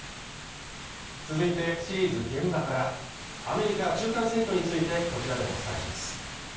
続いてシリーズ「現場から」アメリカ中間選挙についてこちらでもお伝えします